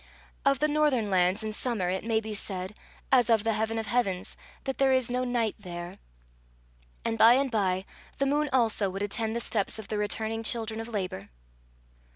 Of the northern lands in summer, it may be said, as of the heaven of heavens, that there is no night there. And by and by the moon also would attend the steps of the returning children of labour.